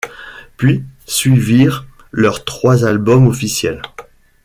Puis suivirent leurs trois albums officiels.